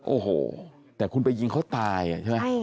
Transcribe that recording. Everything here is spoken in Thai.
โอ้โหแต่คุณไปยิงเขาตายใช่ไหม